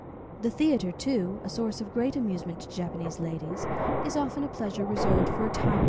The theatre, too, a source of great amusement to Japanese ladies, is often a pleasure reserved for a time later in life.